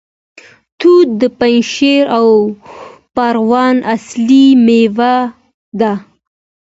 توت د پنجشیر او پروان اصلي میوه ده.